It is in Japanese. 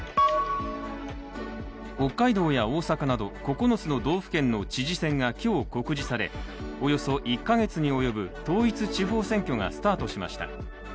北海道や大阪など９つの道府県の知事選が今日、告示されおよそ１か月に及ぶ統一地方選挙がスタートしました。